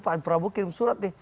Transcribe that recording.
pak prabowo kirim surat nih